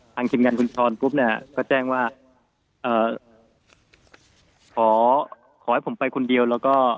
ทีมงานคุณช้อนปุ๊บเนี่ยก็แจ้งว่าเอ่อขอขอให้ผมไปคนเดียวแล้วก็